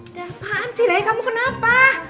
ada apaan sih raya kamu kenapa